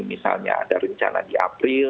misalnya ada rencana di april